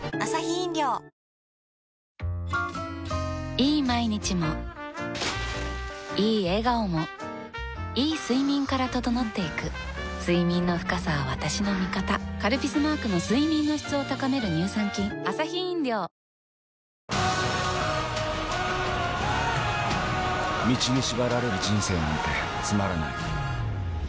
いい毎日もいい笑顔もいい睡眠から整っていく睡眠の深さは私の味方「カルピス」マークの睡眠の質を高める乳酸菌プレゼント指名手配！